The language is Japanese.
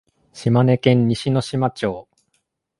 島根県西ノ島町